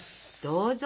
どうぞ。